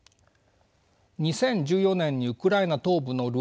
２０１４年にウクライナ東部のルハンシク